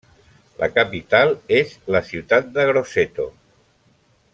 La capital és la ciutat de Grosseto.